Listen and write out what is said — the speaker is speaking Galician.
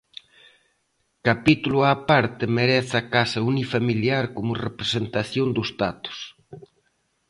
Capítulo á parte merece a casa unifamiliar como representación do status.